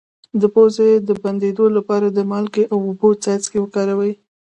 د پوزې د بندیدو لپاره د مالګې او اوبو څاڅکي وکاروئ